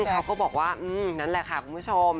เขาก็บอกว่านั่นแหละค่ะคุณผู้ชม